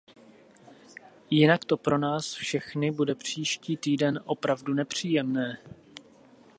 Jinak to pro nás všechny bude příští týden opravdu nepříjemné.